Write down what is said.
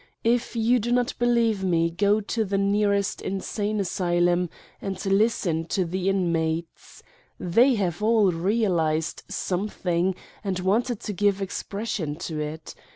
If you do not believe me, go to the nearest insane asylum and listen to the inmates : they have all realized Something and wanted to give expression to it.